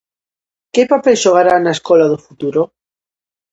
Que papel xogarán na escola do futuro?